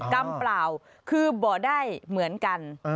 กรรมเปล่าคือบอกได้เหมือนกัน